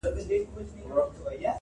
د غمونو ورا یې راغله د ښادیو جنازې دي -